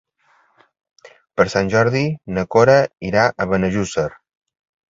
Per Sant Jordi na Cora irà a Benejússer.